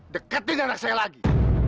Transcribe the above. deketin anak saya lagi